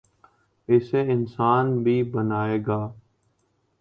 ، اسے انسان بھی بنائے گا۔